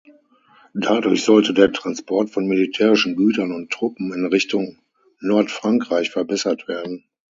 Dadurch sollte der Transport von militärischen Gütern und Truppen in Richtung Nordfrankreich verbessert werden.